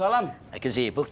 lagi sibuk dad